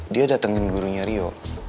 dia datengin gurunya rio